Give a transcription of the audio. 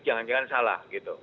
jangan jangan salah gitu